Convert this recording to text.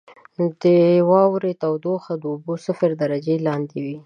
• د واورې تودوخه د اوبو د صفر درجې لاندې وي.